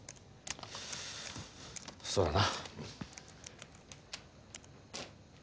そうだな。